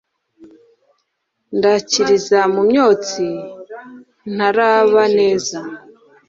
Ndakiriza mu myotsi ntarba neza